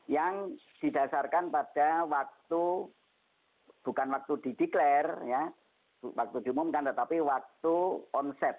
yang didasarkan pada waktu bukan waktu dideklarasi waktu diumumkan tetapi waktu onset